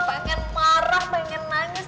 pengen marah pengen nangis